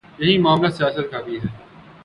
یہی معاملہ سیاست کا بھی ہے۔